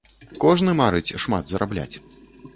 Кожны марыць шмат зарабляць.